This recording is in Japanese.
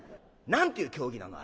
何ていう競技なの？